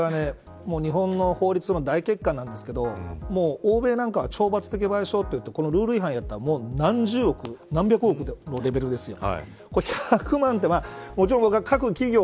日本の法律の大欠陥なんですけど欧米なんか懲罰的賠償といってルール違反やったら何百億のレベルですよ。